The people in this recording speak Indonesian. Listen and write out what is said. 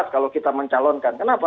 kalau kita mencalonkan kenapa